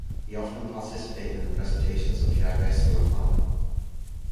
He often participated in the presentations of Jacques Lacan.